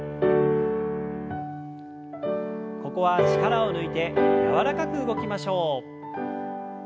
ここは力を抜いて柔らかく動きましょう。